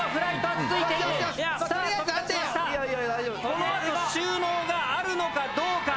このあと収納があるのかどうか。